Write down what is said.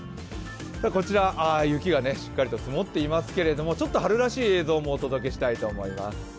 こちら雪がしっかりと積もっていますけれども、春らしい映像もお届けしたいと思います。